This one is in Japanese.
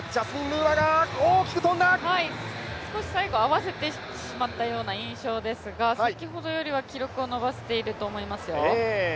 少し最後、合わせてしまったような印象ですが、先ほどよりは記録を伸ばせていると思いますよ。